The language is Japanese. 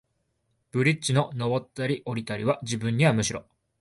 ブリッジの上ったり降りたりは、自分にはむしろ、